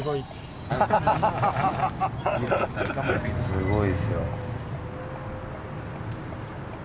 すごいですよ。